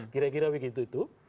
kira kira begitu itu